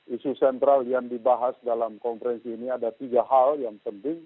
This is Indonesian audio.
isu sentral yang dibahas dalam konferensi ini ada tiga hal yang penting